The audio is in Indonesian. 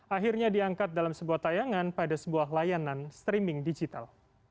akhirnya diangkat dalam sebuah tayangan pada sebuah layanan streaming digital